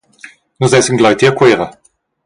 Nus essan gleiti a Cuera.